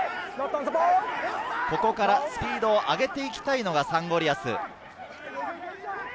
ここからスピードを上げていきたいのがサンゴリアス。